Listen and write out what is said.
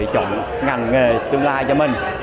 ngoại trưởng ngành nghề tương lai cho mình